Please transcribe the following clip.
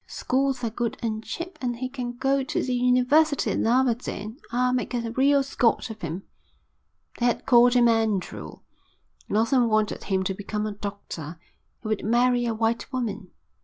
Schools are good and cheap, and he can go to the University at Aberdeen. I'll make a real Scot of him." They had called him Andrew. Lawson wanted him to become a doctor. He would marry a white woman.